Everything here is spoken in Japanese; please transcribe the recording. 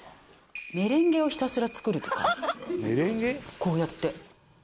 こうやって。